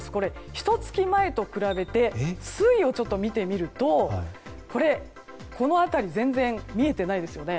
ひと月前と比べて推移を見てみるとこの辺り全然見えてないですよね。